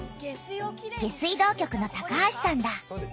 下水道局の橋さんだ。